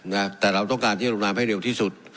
นะแต่เราต้องการที่จะลงนามให้เร็วที่สุด